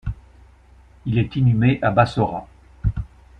Il est inhumé à Bassorah.